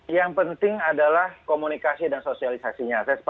yang penting adalah komunikasi dan sosialisasinya saya sepakat ya